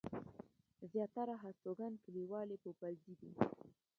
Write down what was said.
زياتره هستوګن کلیوال يې پوپلزي دي.